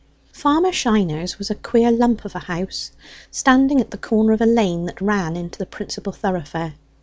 Farmer Shiner's was a queer lump of a house, standing at the corner of a lane that ran into the principal thoroughfare.